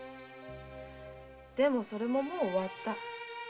でもそれももう終わった。